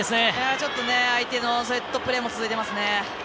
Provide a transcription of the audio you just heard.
ちょっと相手のセットプレーが続いてますね。